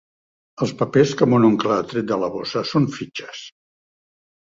Els papers que mon oncle ha tret de la bossa són fitxes.